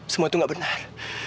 semua itu gak benar